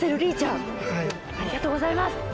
ありがとうございます。